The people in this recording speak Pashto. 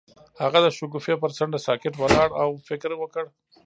هغه د شګوفه پر څنډه ساکت ولاړ او فکر وکړ.